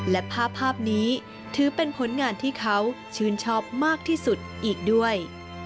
และภาพนี้ถือเป็นผลงานที่เขาชื่นชอบมากที่สุดอีกด้วย